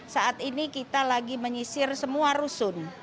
saat ini kita lagi menyisir semua rusun